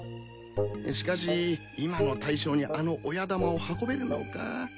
しかし今の大将にあの親玉を運べるのか。